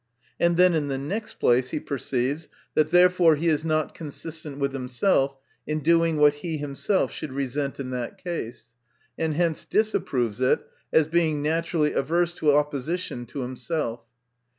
And then in the next place he perceives, that therefore he is not consistent with himself, in doing what he himself should resent in that case ; and hence disapproves it, as being; naturally averse to opposition to himself.